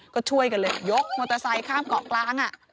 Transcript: ก็ช่วยกันเลยยกมอเตอร์ไซค์ข้ามเกาะกลาง